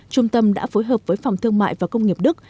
trung tâm đã phối hợp với phòng thương mại và công nghiệp đức